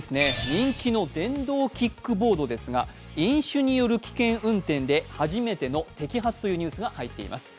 人気の電動キックボードですが飲酒による危険運転で初めての摘発というニュースが入っています。